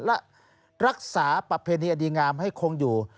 และรักษาประเพณีอดีงามให้คงอยู่